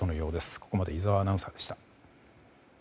ここまで井澤アナウンサーでした。